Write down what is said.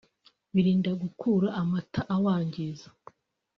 birinda kugura amatara awangiza